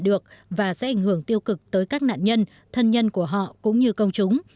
được và sẽ ảnh hưởng tiêu cực tới các nạn nhân thân nhân của họ cũng như công chúng